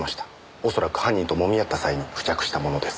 おそらく犯人と揉み合った際に付着したものです。